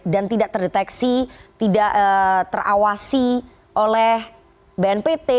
dan tidak terdeteksi tidak terawasi oleh bnpt